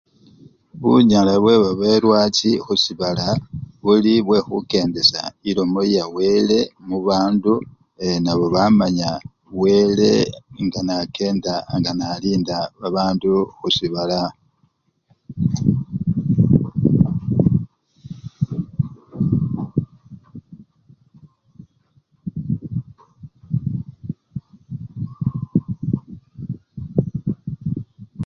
Bunyala bwebabelwachi khusibala, buli bwekhukendesya elomo yawele mubandu ee! nabo bamanya wele nga nakenda, nganalinda babandu khusibala.